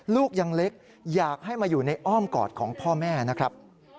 ลูกยังเล็กอยากให้มาอยู่ในอ้อมกอดของพ่อแม่นะครับ